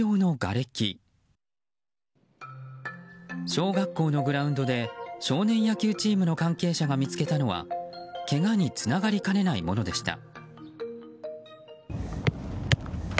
小学校のグラウンドで少年野球チームの関係者が見つけたのは、けがにつながりかねないものでした。